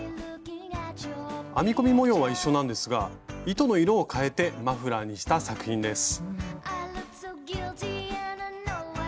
編み込み模様は一緒なんですが糸の色を変えてマフラーにした作品です。